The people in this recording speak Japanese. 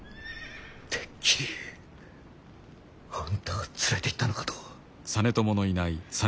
てっきりあんたが連れていったのかと。